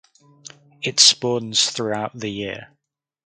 It spawns throughout the year.